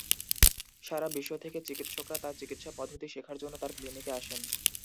সারা বিশ্ব থেকে চিকিৎসকরা তাঁর চিকিৎসা পদ্ধতি শেখার জন্য তাঁর ক্লিনিকে আসেন।